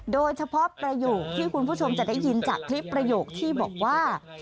โดยเฉพาะประโยคที่คุณผู้ชมจะได้ยินจากคลิปประโยคที่บอกว่า